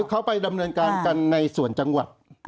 เขาไปดำเนินการกันในส่วนจังหวัด